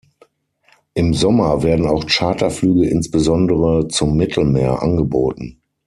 Im Sommer werden auch Charterflüge insbesondere zum Mittelmeer angeboten.